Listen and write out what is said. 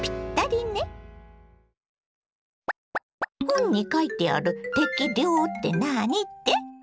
本に書いてある「適量」って何って？